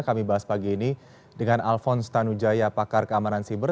kami bahas pagi ini dengan alphonse tanujaya pakar keamanan siber